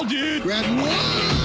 うわ！